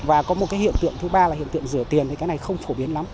và có một hiện tượng thứ ba là hiện tượng rửa tiền cái này không phổ biến lắm